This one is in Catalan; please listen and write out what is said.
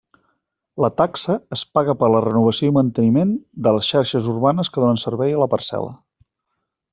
La taxa es paga per la renovació i manteniment de les xarxes urbanes que donen servei a la parcel·la.